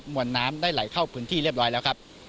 วนน้ำได้ไหลเข้าพื้นที่เรียบร้อยแล้วครับ